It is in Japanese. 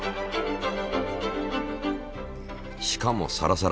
しかもサラサラ。